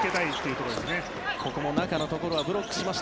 ここも中のところはブロックしました。